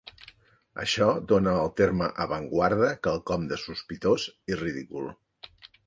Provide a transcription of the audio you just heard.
Això dóna al terme avantguarda quelcom de sospitós i ridícul.